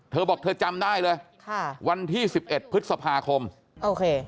เธอบอกเธอจำได้เลยค่ะวันที่สิบเอ็ดพฤษภาคมโอเค